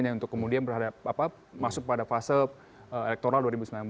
yang untuk kemudian masuk pada fase elektoral dua ribu sembilan belas